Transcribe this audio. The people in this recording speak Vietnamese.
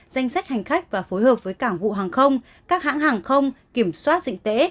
danh sách hành khách và phối hợp với cảng vụ hàng không các hãng hàng không kiểm soát dịch tễ